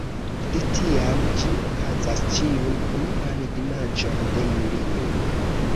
De tiam ĝi okazas ĉiun unuan dimanĉon de julio.